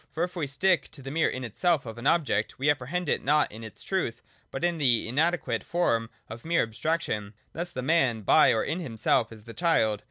For if we stick to the mere ' in itself of an object, we apprehend it not in its truth, but in the inadequate form of mere abstraction. Thus the man, by or in himself, is the child.